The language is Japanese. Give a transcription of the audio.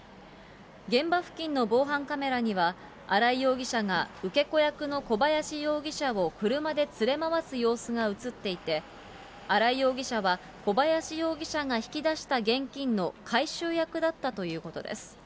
現場付近の防犯カメラには荒井容疑者が受け子役の小林容疑者を車で連れ回す様子が写っていて、荒井容疑者は小林容疑者が引き出した現金の回収役だったということです。